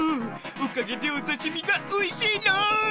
おかげでおさしみがおいしいろん！